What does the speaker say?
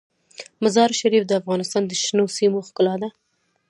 مزارشریف د افغانستان د شنو سیمو ښکلا ده.